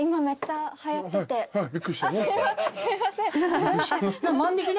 すいません。